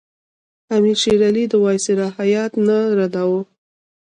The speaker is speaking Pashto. امیر شېر علي د وایسرا هیات نه رداوه.